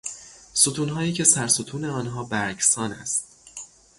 ستونهایی که سرستون آنها برگسان است.